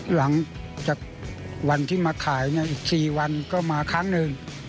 หลังจากวันที่มาขายอีก๔วันก็มาครั้งหนึ่ง